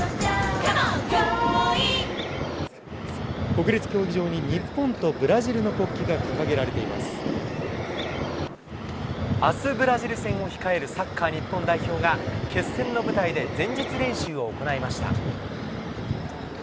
国立競技場に日本とブラジルあす、ブラジル戦を控えるサッカー日本代表が、決戦の舞台で前日練習を行いました。